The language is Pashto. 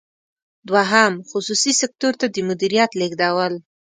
دوهم: خصوصي سکتور ته د مدیریت لیږدول.